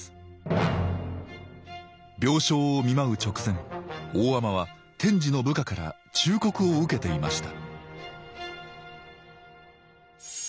病床を見舞う直前大海人は天智の部下から忠告を受けていました